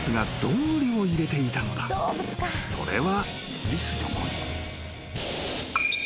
［それは］